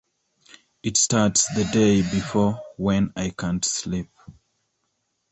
It starts the day before, when I can't sleep.